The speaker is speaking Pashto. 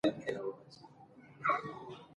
قید؛ د خبري وضاحت زیاتوي.